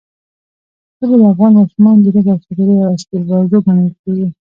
ژبې د افغان ماشومانو د لوبو او ساتېرۍ یوه اصلي موضوع ګڼل کېږي.